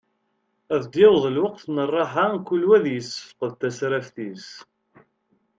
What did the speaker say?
Ad d-yaweḍ lweqt n rrḥa, kul wa ad yessefqed tasraft-is.